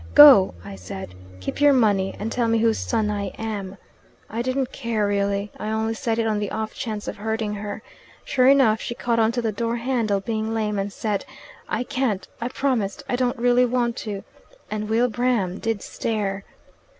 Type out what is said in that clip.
Go!' I said, 'Keep your money, and tell me whose son I am.' I didn't care really. I only said it on the off chance of hurting her. Sure enough, she caught on to the doorhandle (being lame) and said, 'I can't I promised I don't really want to,' and Wilbraham did stare.